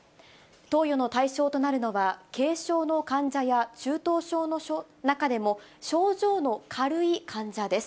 投与の対象となるのは、軽症の患者や中等症の中でも症状の軽い患者です。